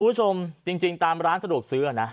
คุณผู้ชมจริงตามร้านสะดวกซื้อนะ